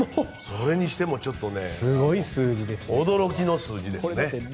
それにしても驚きの数字ですね。